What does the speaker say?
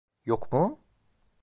Yok mu?